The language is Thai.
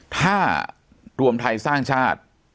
ถ้ารวมไทยสร้างชาติ